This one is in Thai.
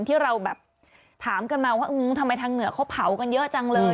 ที่เราแบบถามกันมาว่าทำไมทางเหนือเขาเผากันเยอะจังเลย